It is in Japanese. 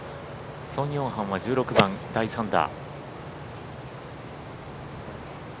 ソン・ヨンハンは１６番、第３打。